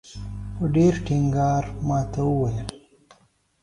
په ډېر ټینګار ماته وویل.